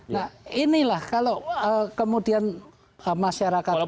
nah inilah kalau kemudian masyarakat kelas ini